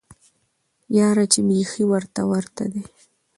یاره چی بیخی ورته ورته دی